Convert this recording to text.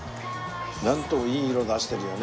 なんともいい色出してるよね。